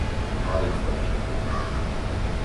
— A więc dobrze.